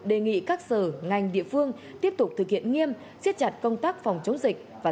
đề nghị các sở ngành địa phương tiếp tục thực hiện nghiêm siết chặt công tác phòng chống dịch và